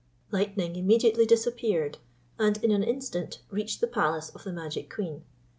Lightning immediately disappeared, and in an instant reached the palace of the magic queen.